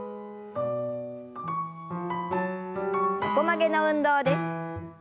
横曲げの運動です。